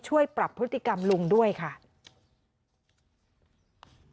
ช่วยปรับพฤติกรรมลุงด้วยค่ะ